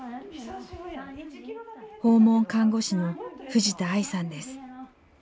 訪問看護師の藤田愛さんです。